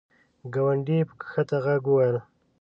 ګاونډي په کښته ږغ وویل !